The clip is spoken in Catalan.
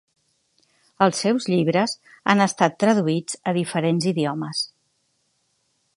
Els seus llibres han estat traduïts a diferents idiomes.